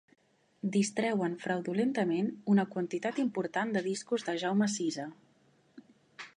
Distreuen fraudulentament una quantitat important de discos de Jaume Sisa.